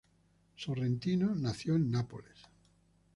Sorrentino nació en Nápoles.